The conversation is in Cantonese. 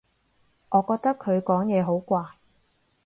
我覺得佢講嘢好怪